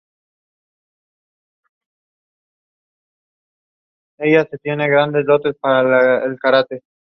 Ganadería bovina.